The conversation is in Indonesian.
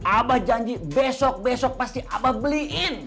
abah janji besok besok pasti abah beliin